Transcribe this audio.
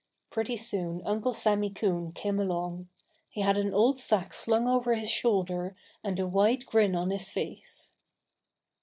Pretty soon Uncle Sammy Coon came along. He had an old sack slung over his shoulder and a wide grin on his face.